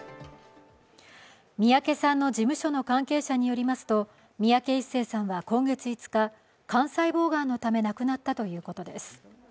三宅さんの事務所の関係者によりますと、三宅一生さんは今月５日、肝細胞がんのため亡くなったということです。